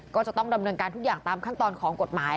ก็จะต้องดำเนินการทุกอย่างตามขั้นตอนของกฎหมาย